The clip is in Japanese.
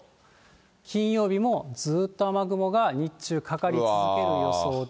金曜日もずっと雨雲が日中かかり続ける予想で。